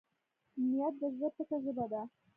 نیت د زړه پټه ژبه ده.